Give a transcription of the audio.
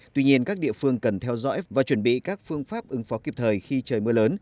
tuy nhiên các địa phương cần theo dõi và chuẩn bị các phương pháp ứng phó kịp thời khi trời mưa lớn